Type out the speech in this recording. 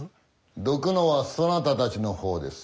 どくのはそなたたちの方です。